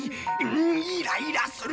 んイライラする！